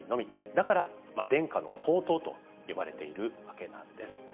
だから伝家の宝刀と呼ばれているわけなんです。